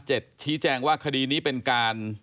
ชี้แจงว่าคดีนี้เป็นการ